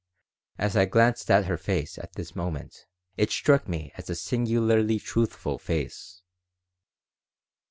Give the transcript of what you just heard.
As I glanced at her face at this moment it struck me as a singularly truthful face.